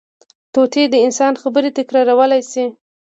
طوطي د انسان خبرې تکرارولی شي